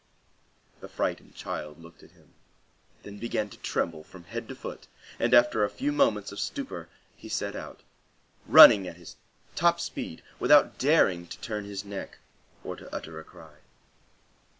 The frightened child looked at him, then began to tremble from head to foot, and after a few moments of stupor he set out, running at the top of his speed, without daring to turn his neck or to utter a cry.